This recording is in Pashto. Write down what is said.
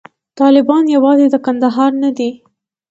طالبان یوازې د کندهار نه دي.